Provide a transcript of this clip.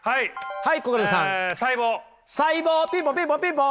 はい。